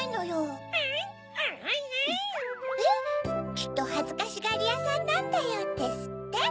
「きっとはずかしがりやさんなんだよ」ですって？